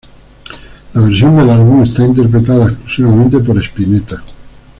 La versión del álbum está interpretada exclusivamente por Spinetta.